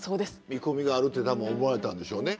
見込みがあるって多分思われたんでしょうね。